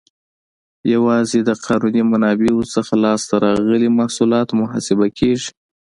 یوازې د قانوني منابعو څخه لاس ته راغلي محصولات محاسبه کیږي.